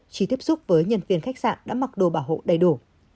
chỉ tiếp xúc với nhân viên khách sạn đã mặc đồ bảo hộ đầy đủ